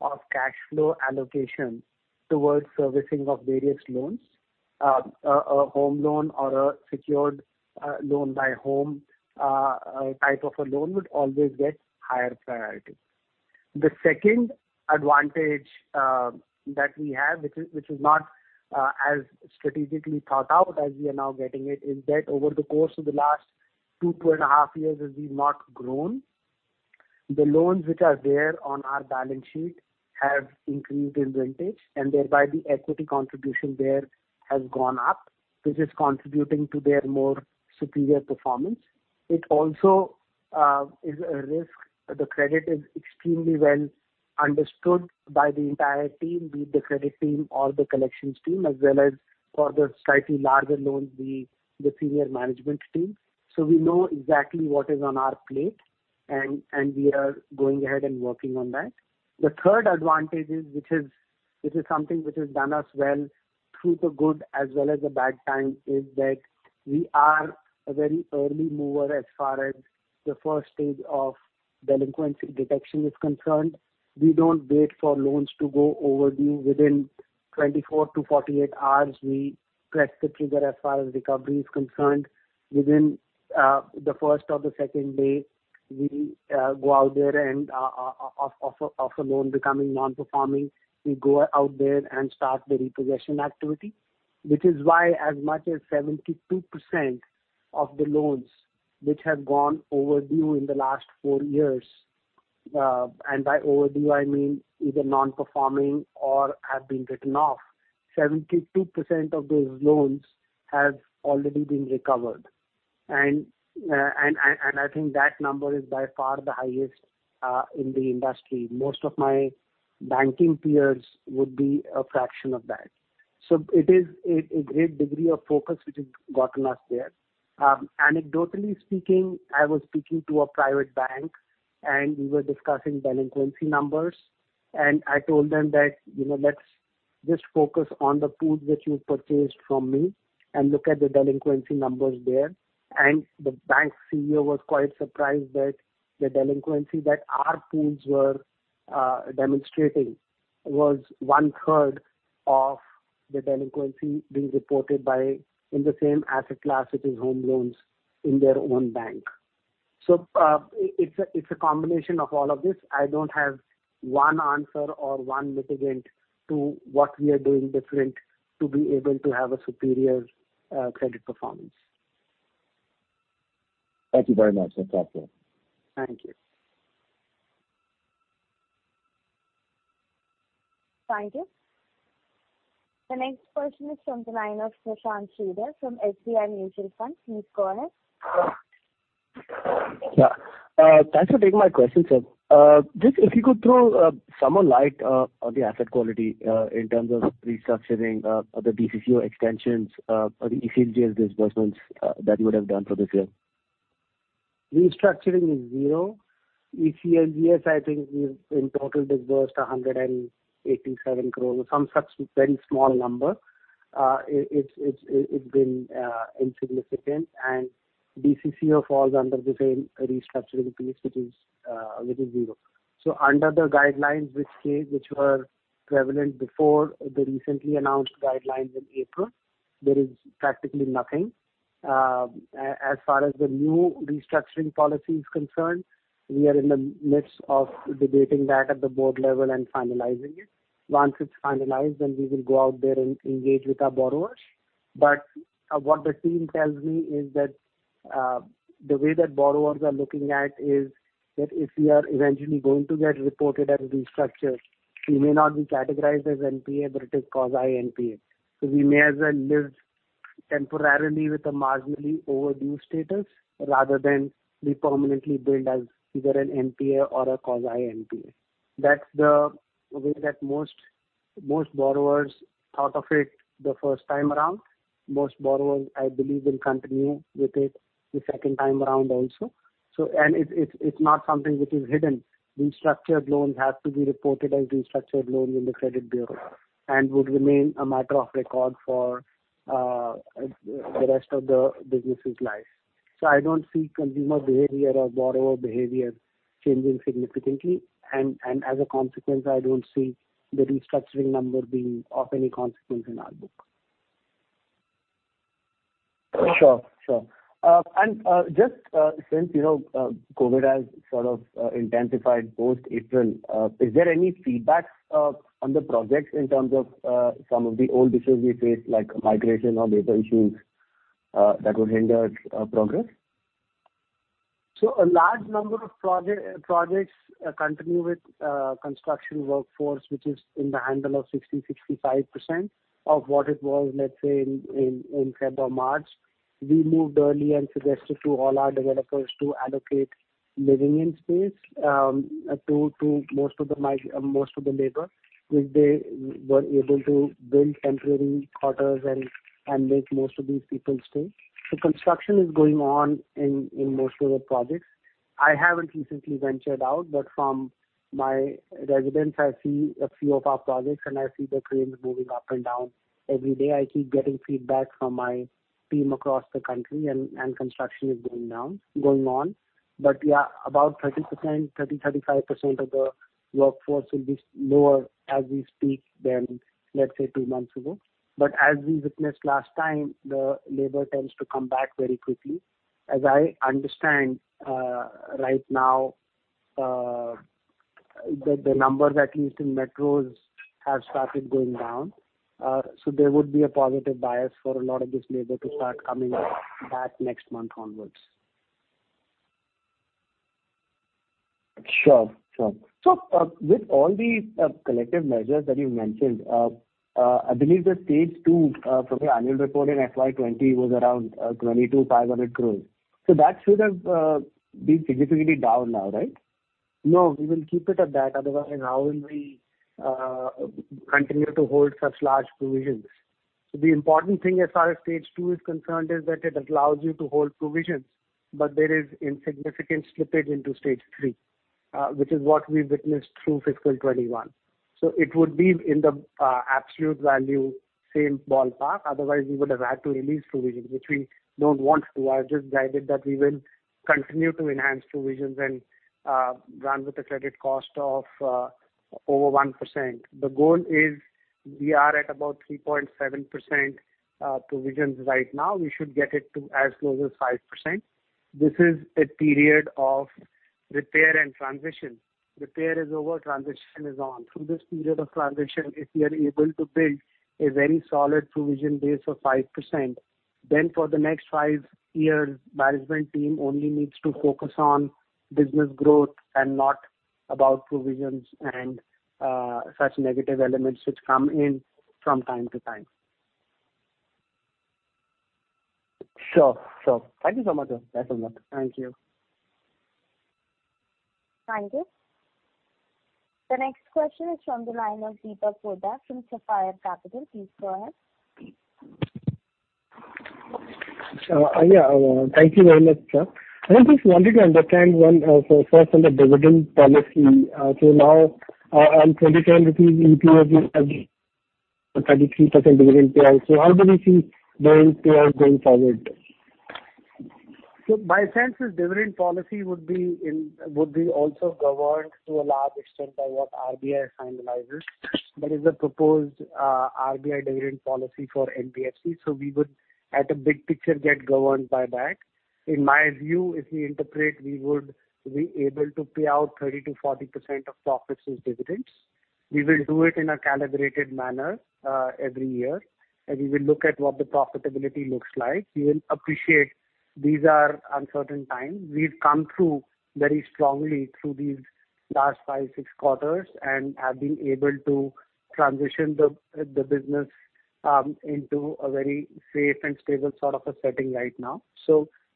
[SPEAKER 2] of cash flow allocation towards servicing of various loans. A home loan or a secured loan by home, type of a loan would always get higher priority. The second advantage that we have, which was not as strategically thought out as we are now getting it, is that over the course of the last two and a half years as we've not grown, the loans which are there on our balance sheet have increased in vintage, and thereby the equity contribution there has gone up, which is contributing to their more superior performance. It also is a risk. The credit is extremely well understood by the entire team, be it the credit team or the collections team, as well as for the slightly larger loans, be it the senior management team. We know exactly what is on our plate, and we are going ahead and working on that. The third advantage, which is something which has done us well through the good as well as the bad times, is that we are a very early mover as far as the first stage of delinquency detection is concerned. We don't wait for loans to go overdue. Within 24 to 48 hours, we press the trigger as far as recovery is concerned. Within the first or the second day of a loan becoming non-performing, we go out there and start the repossession activity. As much as 72% of the loans which have gone overdue in the last 4 years, and by overdue, I mean either non-performing or have been written off. 72% of those loans have already been recovered. I think that number is by far the highest in the industry. Most of my banking peers would be a fraction of that. It is a great degree of focus which has gotten us there. Anecdotally speaking, I was speaking to a private bank, and we were discussing delinquency numbers, and I told them that, "Let's just focus on the pools which you purchased from me and look at the delinquency numbers there." The bank CEO was quite surprised that the delinquency that our pools were demonstrating was one-third of the delinquency being reported in the same asset class in home loans in their own bank. It's a combination of all of this. I don't have one answer or one mitigator to what we are doing differently to be able to have a superior credit performance.
[SPEAKER 6] Thank you very much. I appreciate it.
[SPEAKER 1] Thank you. Thank you. The next question is from the line of Sushant Chhabria from SBI Mutual Funds. Please go ahead.
[SPEAKER 7] Yeah. Thanks for taking my question, sir. If you could throw some light on the asset quality in terms of restructuring of the DCCO extensions for the ECLGS disbursements that you would have done for the year.
[SPEAKER 2] Restructuring is zero. ECLGS, I think we've in total disbursed 187 crore, some such very small number. It's been insignificant. DCCO falls under the same restructuring piece, which is zero. Under the guidelines which were prevalent before the recently announced guidelines in April, there is practically nothing. As far as the new restructuring policy is concerned, we are in the midst of debating that at the board level and finalizing it. Once it's finalized, we will go out there and engage with our borrowers. What the team tells me is that the way that borrowers are looking at is that if we are eventually going to get reported as restructured, we may not be categorized as NPA, but it is quasi-NPA. We may as well live temporarily with a marginally overdue status rather than be permanently billed as either an NPA or a quasi-NPA. That's the way that most borrowers thought of it the first time around. Most borrowers, I believe, will continue with it the second time around also. It's not something which is hidden. Restructured loans have to be reported as restructured loans in the credit bureau and would remain a matter of record for the rest of the business's life. I don't see consumer behavior or borrower behavior changing significantly. As a consequence, I don't see the restructuring number being of any consequence in our book.
[SPEAKER 7] Sure. Just since COVID has sort of intensified post-April, is there any feedback on the projects in terms of some of the old issues we faced, like migration of labour base that would hinder progress?
[SPEAKER 2] A large number of projects continue with construction workforce, which is in the handle of 60%-65% of what it was, let's say, in February or March. We moved early and suggested to all our developers to allocate living-in space to most of the labor. Which they were able to build temporary quarters and make most of these people stay. Construction is going on in most of the projects. I haven't recently ventured out, but from my residence, I see a few of our projects, and I see the cranes moving up and down every day. I keep getting feedback from my team across the country, and construction is going on. About 30%-35% of the workforce will be lower as we speak than, let's say, 2 months ago. As we witnessed last time, the labor tends to come back very quickly. As I understand right now, the number that you see in metros has started going down. There would be a positive bias for a lot of this labor to start coming back next month onwards.
[SPEAKER 7] Sure. With all the collective measures that you mentioned, I believe the stage 2 for the annual quarter in FY 2020 was around 2,200 crores. That should have been significantly down now, right?
[SPEAKER 2] No, we will keep it at that. Otherwise, how will we continue to hold such large provisions? The important thing as far as stage 2 is concerned is that it allows you to hold provisions, but there is insignificant slippage into stage 3, which is what we witnessed through fiscal 2021. It would be in the absolute value, same ballpark. Otherwise, we would have had to release provisions, which we don't want to. I just guided that we will continue to enhance provisions and run with a credit cost of over 1%. The goal is we are at about 3.7% provisions right now. We should get it to as low as 5%. This is a period of repair and transition. Repair is over, transition is on. Through this period of transition, if we are able to build a very solid provision base of 5%, then for the next 5 years, management team only needs to focus on business growth and not about provisions and such negative elements which come in from time to time.
[SPEAKER 7] Sure. Thank you so much.
[SPEAKER 2] Thank you.
[SPEAKER 1] Thank you. The next question is from the line of Deepak Poddar rom Sapphire Capital. Please go ahead.
[SPEAKER 8] Thank you very much. I hope it's nothing against when first on the dividend policy. Now I'm pretty sure that it will increase with 33% dividend payout. How do we see going forward there?
[SPEAKER 2] My sense is dividend policy would be also governed to a large extent by what RBI finalizes. There is a proposed RBI dividend policy for NBFC, we would, at a big picture, get governed by that. In my view, if we interpret, we would be able to pay out 30%-40% of profits as dividends. We will do it in a calibrated manner every year, we will look at what the profitability looks like. You will appreciate these are uncertain times. We've come through very strongly through these last five, six quarters have been able to transition the business into a very safe and stable sort of a setting right now.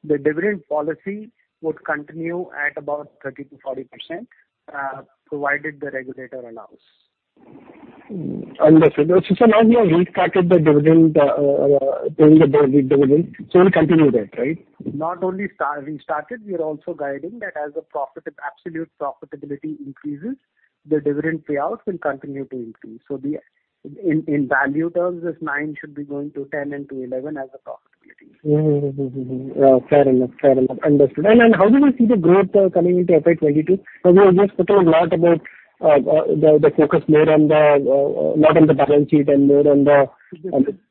[SPEAKER 2] The dividend policy would continue at about 30%-40%, provided the regulator allows.
[SPEAKER 8] Understood. Now we have restarted the dividend. We continue that, right?
[SPEAKER 2] Not only we started, we are also guiding that as the absolute profitability increases, the dividend payouts will continue to increase. In value terms, this nine should be going to 10 and to 11 as the profitability increases.
[SPEAKER 8] Fair enough. Understood. How do you see the growth coming into FY 2022? Because we have just spoken a lot about the focus more on the balance sheet.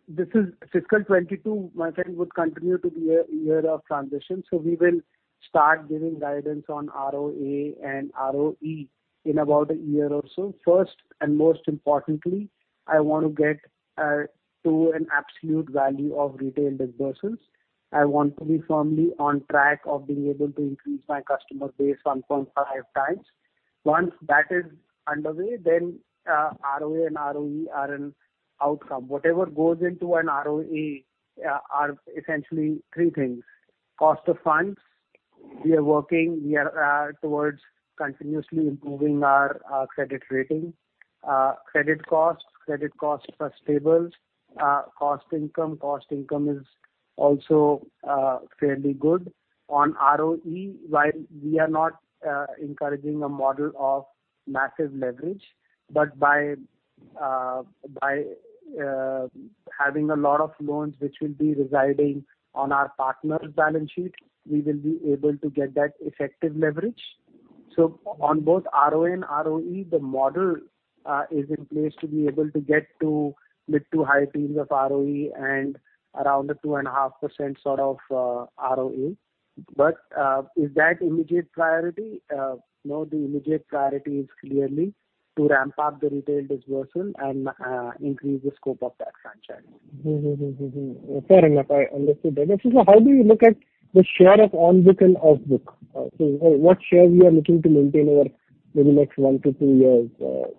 [SPEAKER 2] This is fiscal 2022, my friend, would continue to be a year of transition. We will start giving guidance on ROA and ROE in about a year or so. First, and most importantly, I want to get to an absolute value of retail disbursements. I want to be firmly on track of being able to increase my customer base 1.5x. Once that is underway, ROA and ROE are an outcome. Whatever goes into an ROE are essentially three things. Cost of funds. We are working towards continuously improving our credit rating. Credit costs. Credit costs are stable. Cost-to-income. Cost-to-income is also fairly good. On ROE, while we are not encouraging a model of massive leverage, but by having a lot of loans which will be residing on our partners' balance sheets, we will be able to get that effective leverage. On both ROA and ROE, the model is in place to be able to get to mid to high teens of ROE and around a 2.5% sort of ROA. Is that immediate priority? No. The immediate priority is clearly to ramp up the retail disbursements and increase the scope of that franchise.
[SPEAKER 8] Fair enough. I understood that. How do you look at the share of on-book and off-book? What share we are looking to maintain over the next one to two years?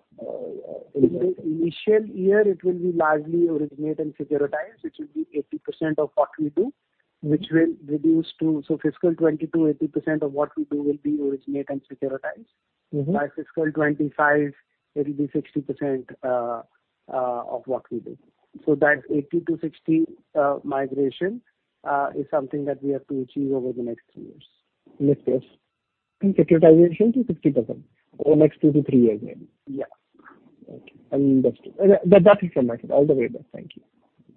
[SPEAKER 2] Initial year, it will be largely originate and securitize, which will be 80% of what we do. Fiscal 2022, 80% of what we do will be originate and securitize. By fiscal 2025, it will be 60% of what we do. That 80%-60% migration is something that we have to achieve over the next 2 years.
[SPEAKER 8] Understood. It is a reduction to 60% over the next 2 to 3 years then?
[SPEAKER 2] Yeah.
[SPEAKER 8] Okay. Understood. That's almost it. All the way good. Thank you.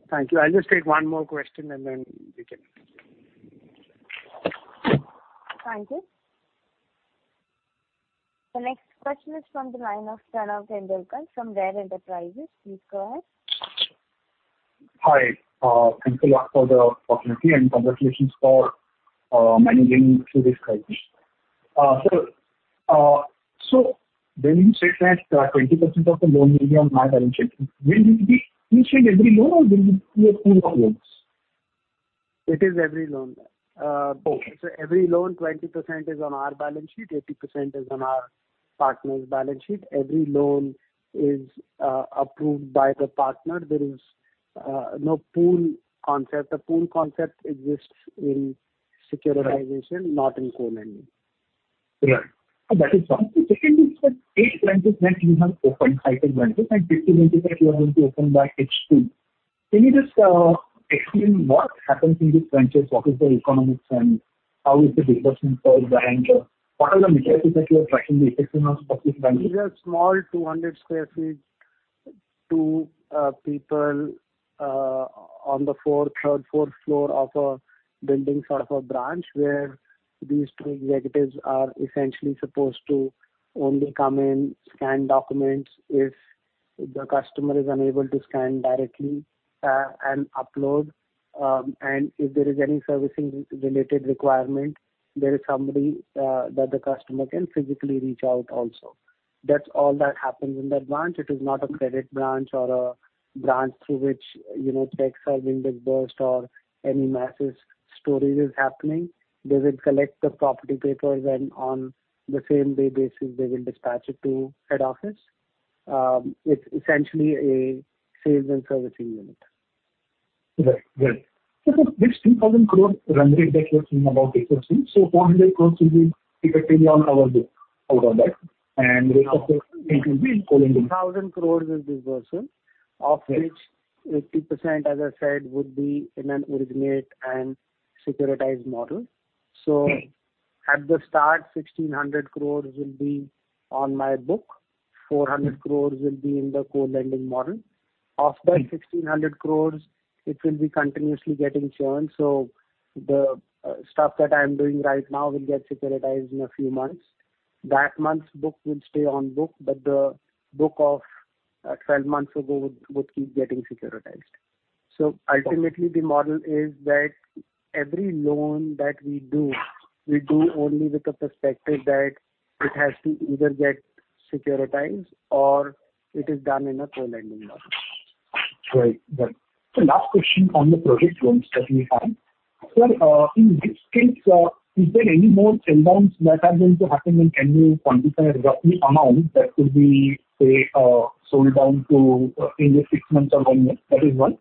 [SPEAKER 2] Thank you. I'll just take one more question and then we can conclude.
[SPEAKER 1] Thank you. The next question is from the line of Pranav Tendulkar from Rare Enterprises. Please go ahead.
[SPEAKER 9] Hi. Thanks a lot for the opportunity and conversations for managing through this crisis. Sir, when you said that 20% of the loan will be on my balance sheet, will it be each and every loan or will it be a pool of loans?
[SPEAKER 2] It is every loan.
[SPEAKER 9] Okay.
[SPEAKER 2] Every loan, 20% is on our balance sheet, 80% is on our partner's balance sheet. Every loan is approved by the partner. There is no pool concept. The pool concept exists in securitization, not in co-lending.
[SPEAKER 9] Right. That is one. Secondly, sir, eight branches that you have opened, high-tech branches, and 15 branches that you are going to open by H2. Can you just explain what happens in these branches? What is the economics and how is the business model branch? What are the metrics that you are tracking the economics of this branch?
[SPEAKER 2] These are small, 200 sq ft, two people on the third, fourth floor of a building, sort of a branch where these two executives are essentially supposed to only come in, scan documents if the customer is unable to scan directly and upload. If there is any servicing-related requirement, there is somebody that the customer can physically reach out also. That's all that happens in that branch. It is not a credit branch or a branch through which cheques will be disbursed or any massive storage is happening. They will collect the property papers, and on the same-day basis, they will dispatch it to head office. It's essentially a sales and servicing unit.
[SPEAKER 9] Right. Sir, these 3,000 crores run rate that you are seeing about 80%, so 400 crores will be effectively on our book out of that, and the rest of it will be in co-lending.
[SPEAKER 2] 3,000 crores in dispersal, of which 80%, as I said, would be in an originate and securitize model. At the start, 1,600 crore will be on my book, 400 crore will be in the co-lending model. After 1,600 crore, it will be continuously getting churned. The stuff that I'm doing right now will get securitized in a few months. That month's book will stay on book, the book of 12 months ago would keep getting securitized. Ultimately, the model is that every loan that we do, we do only with the perspective that it has to either get securitized or it is done in a co-lending model.
[SPEAKER 9] Right. Sir, last question on the project loans that we have. Sir, in which case is there any more workouts that are going to happen in Q2, any amount that will be, say, sold down to in the 6 months or one year that is left?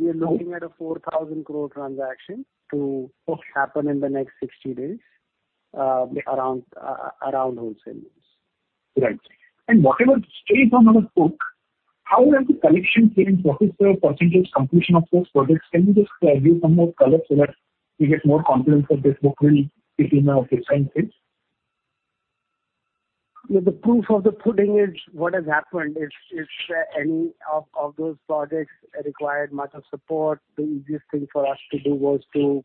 [SPEAKER 2] We are looking at a 4,000 crore transaction to happen in the next 60 days, around home segments.
[SPEAKER 9] Right. Whatever stays on our book, how are the collection teams, what is their percentage completion of those projects? Can you just add in some more color so that we get more confidence that this book will be in our books and things?
[SPEAKER 2] The proof of the pudding is what has happened. If any of those projects required much support, the easiest thing for us to do was to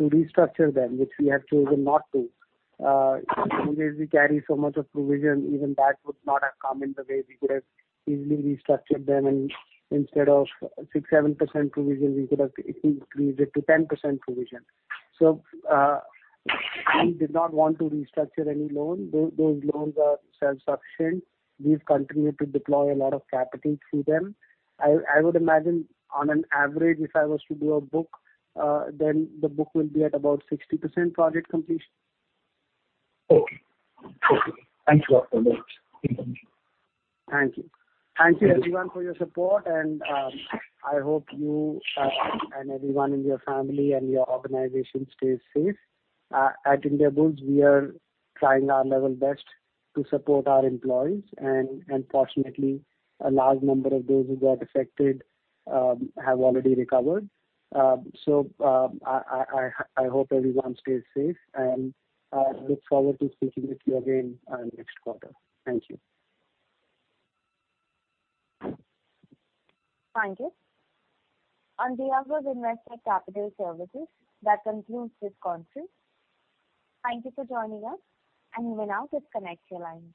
[SPEAKER 2] restructure them, which we have chosen not to. Even if we carry so much of provision, even that would not have come in the way we could have easily restructured them. Instead of 6%, 7% provision, we could have increased it to 10% provision. We did not want to restructure any loan. Those loans are self-sufficient. We've continued to deploy a lot of capital through them. I would imagine on an average, if I was to do a book, then the book will be at about 60% project completion.
[SPEAKER 9] Okay. Thank you. That works. Thank you.
[SPEAKER 2] Thank you. Thank you everyone for your support. I hope you and everyone in your family and your organization stays safe. At Indiabulls, we are trying our level best to support our employees, and fortunately, a large number of those who got affected have already recovered. I hope everyone stays safe, and I look forward to speaking with you again next quarter. Thank you.
[SPEAKER 1] Thank you. On behalf of Investec Capital Services, that concludes this conference. Thank you for joining us, and you may now disconnect your lines.